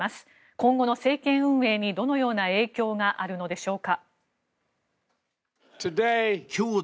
今後の政権運営にどのような影響があるのでしょうか。